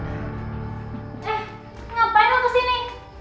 eh ngapain lo kesini